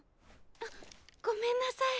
あっごめんなさい。